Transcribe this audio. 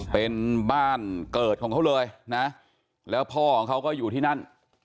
เป็นบ้านเกิดของเขาเลยนะแล้วพ่อของเขาก็อยู่ที่นั่น